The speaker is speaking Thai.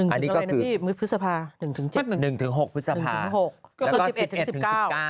อันนี้ก็คือ๑๖พฤษภาคม๑๖พฤษภาคม